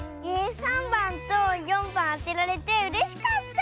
３ばんと４ばんあてられてうれしかった！